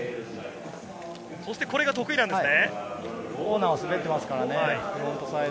そしてこれが得意なんですね。